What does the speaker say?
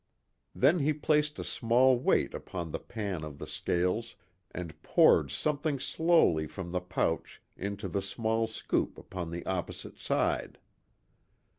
Then he placed a small weight upon the pan of the scales and poured something slowly from the pouch into the small scoop upon the opposite side.